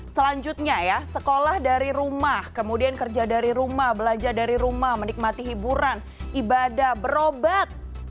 selanjutnya ya sekolah dari rumah kemudian kerja dari rumah belajar dari rumah menikmati hiburan ibadah berobat